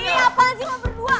ih apaan sih sama berdua